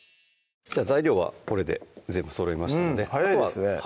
材料はこれで全部そろいました早いですね